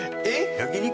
焼き肉？